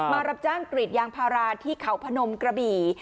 มารับจ้างกรีดยางพาราที่เขาพนมกระบี่